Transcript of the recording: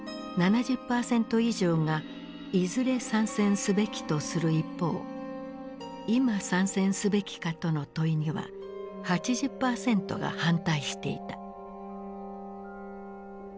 ７０％以上がいずれ参戦すべきとする一方今参戦すべきかとの問いには８０％が反対していた。